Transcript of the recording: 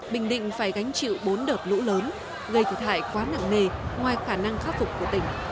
bình định phải gánh chịu bốn đợt lũ lớn gây thiệt hại quá nặng nề ngoài khả năng khắc phục của tỉnh